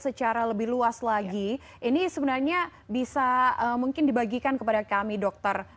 secara lebih luas lagi ini sebenarnya bisa mungkin dibagikan kepada kami dokter